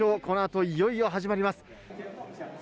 このあといよいよ始まります。